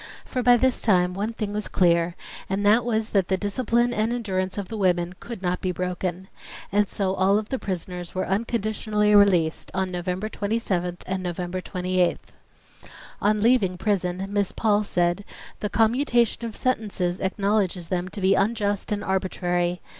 For by this time one thing was clear, and that was that the discipline and endurance of the women could not be broken. And so all the prisoners were unconditionally released on November 27th and November 28th. On leaving prison Miss Paul said: "The commutation of sentences acknowledges them to be unjust and arbitrary.